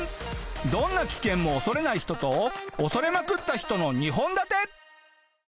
どんな危険も恐れない人と恐れまくった人の２本立て。